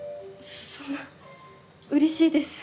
そんなうれしいです。